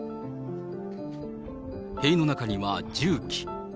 塀の中には重機。